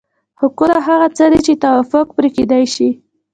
حقوق هغه څه دي چې توافق پرې کېدای شي.